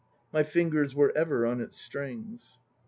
My fingers were ever on its strings.